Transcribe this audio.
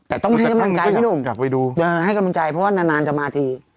แต่ต้องให้กำลังใจพี่หนุ่มอยากไปดูให้กำลังใจเพราะว่านานนานจะมาที